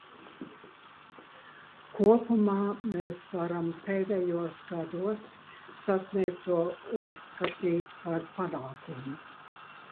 Kopumā mēs varam pēdējos gados sasniegto uzskatīt par panākumu.